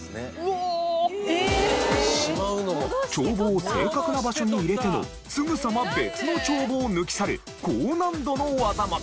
帳簿を正確な場所に入れてもすぐさま別の帳簿を抜き去る高難度の技が。